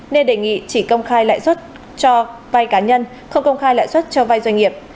nên đề nghị chỉ công khai lãi suất cho vay cá nhân không công khai lãi suất cho vai doanh nghiệp